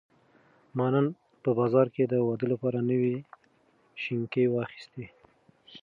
ما نن په بازار کې د واده لپاره نوې شینکۍ واخیستې.